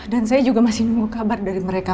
dan saya juga masih nunggu kabar dari mereka